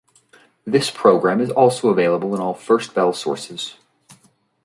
This program is also available in all First Bell sources.